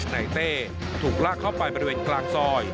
เต้ถูกลากเข้าไปบริเวณกลางซอย